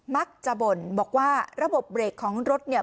บ่นบอกว่าระบบเบรกของรถเนี่ย